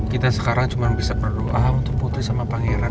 kita sekarang cuma bisa berdoa untuk putri sama pangeran